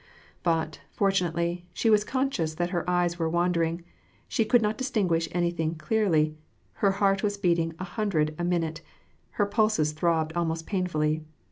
But, fortunately, she was conscious that her eyes were wan dering; she could not distinguish anything clearly: her heart was beating a hundred a minute, and her pulses throbbed almost painfully.